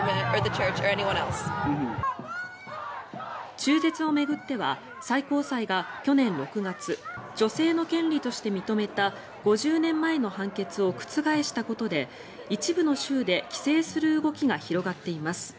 中絶を巡っては最高裁が去年６月女性の権利として認めた５０年前の判決を覆したことで一部の州で規制する動きが広がっています。